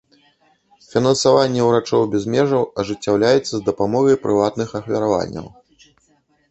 Фінансаванне ўрачоў без межаў ажыццяўляецца з дапамогай прыватных ахвяраванняў.